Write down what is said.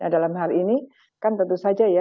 dalam hal ini kan tentu saja ya